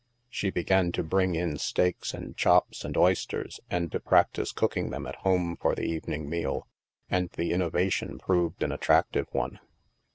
She began to bring in steaks and chops and oys ters, and to practice cooking them at home for the evening meal ; and the innovation proved an attrac tive one.